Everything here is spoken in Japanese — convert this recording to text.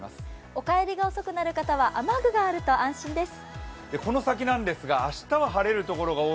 お帰りが遅くなる方は雨具があると安心です。